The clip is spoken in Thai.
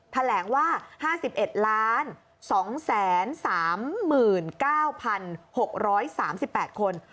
แถลงว่า๕๑๒๓๙๖๓๘คน